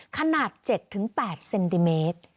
ขนาด๗๘เซนติเมตร